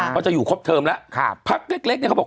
เขาจะอยู่ครบเทอมแล้วพักเล็กเนี่ยเขาบอก